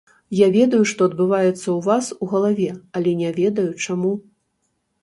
Я ведаю, што адбываецца ў вас у галаве, але не ведаю, чаму.